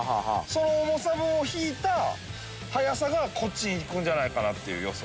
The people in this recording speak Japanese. その重さも引いた速さがこっち行くんじゃないかなっていう予想。